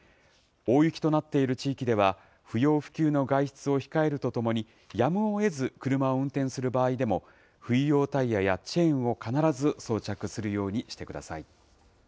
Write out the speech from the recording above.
大雪となっている地域では、不要不急の外出を控えるとともに、やむをえず車を運転する場合でも、冬用タイヤやチェーンを必ず装着するようにしてください。